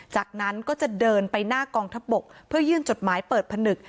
จากนั้นก็จะเดินไปหน้ากองทัพบกเพื่อยื่นจดหมายเปิดผนึก